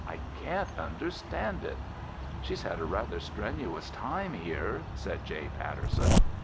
I can't understand it." "She's had a rather strenuous time here," said J. Patterson.